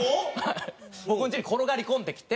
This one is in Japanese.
僕んちに転がり込んできて。